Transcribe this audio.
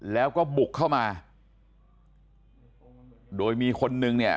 แล้วก็บุกเข้ามาโดยมีคนนึงเนี่ย